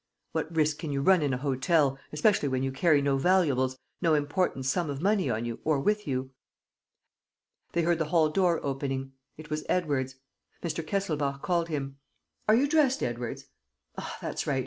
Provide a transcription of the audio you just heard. What risk can you run in an hotel, especially when you carry no valuables, no important sum of money on you or with you? They heard the hall door opening. It was Edwards. Mr. Kesselbach called him: "Are you dressed, Edwards? Ah, that's right!